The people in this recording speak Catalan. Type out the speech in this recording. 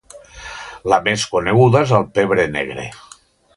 La més coneguda és el pebre negre.